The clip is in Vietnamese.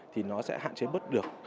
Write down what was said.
thì nó sẽ hạn chế bớt được